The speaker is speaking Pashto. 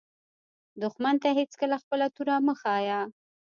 دښمن ته هېڅکله خپله توره مه ښایه